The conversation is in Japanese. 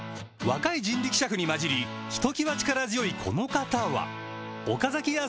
若い人力車夫に交じりひときわ力強いこの方は岡崎屋